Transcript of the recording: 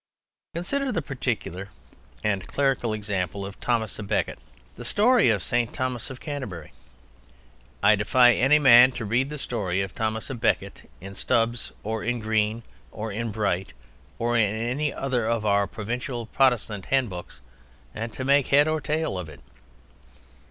Consider the particular (and clerical) example of Thomas à Becket: the story of St. Thomas of Canterbury. I defy any man to read the story of Thomas a Becket in Stubbs, or in Green, or in Bright, or in any other of our provincial Protestant handbooks, and to make head or tail of it.